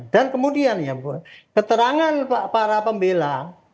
dan kemudian keterangan para pembela